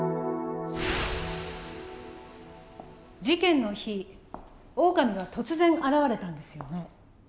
事件の日オオカミは突然現れたんですよね？